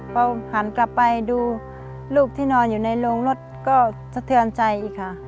พอหันกลับไปดูลูกที่นอนอยู่ในโรงรถก็สะเทือนใจอีกค่ะ